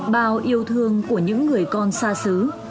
bao yêu thương của những người con xa xứ